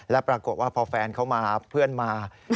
แล้วปรากฏว่าพอแฟนเขามาเพื่อนมา